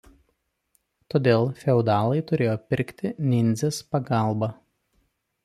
Todėl feodalai turėjo pirkti nindzės pagalbą.